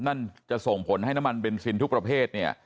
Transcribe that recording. นั่นจะส่งผลให้น้ำมันเบนซินทุกประเภทเนี่ย